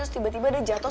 terus tiba tiba dia jatuh